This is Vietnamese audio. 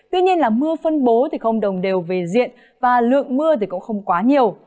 tuy nhiên là mưa phân bố thì không đồng đều về diện và lượng mưa cũng không quá nhiều